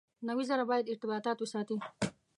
نوي زره باید ارتباطات وساتي.